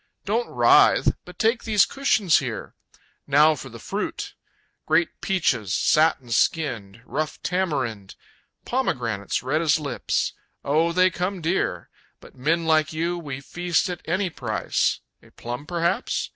Don't writhe But take these cushions here! Now for the fruit! Great peaches, satin skinned, Rough tamarind, Pomegranates red as lips oh they come dear! But men like you we feast at any price A plum perhaps?